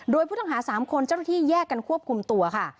โดยผู้ต้องหา๓คนเจ้าหน้าที่แยกกันควบคุมตัวค่ะ